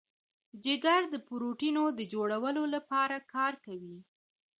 جگر د پروټینونو د جوړولو لپاره کار کوي.